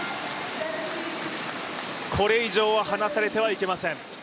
これ以上は離されてはいけません。